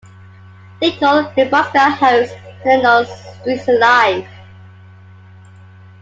Lincoln, Nebraska hosts an annual Streets Alive!